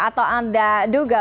atau anda duga